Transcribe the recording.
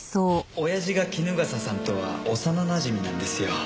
親父が衣笠さんとは幼なじみなんですよ。